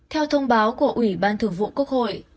theo thông báo của ủy ban thường vụ quốc hội